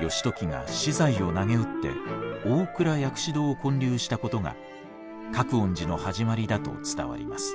義時が私財をなげうって大倉薬師堂を建立したことが覚園寺の始まりだと伝わります。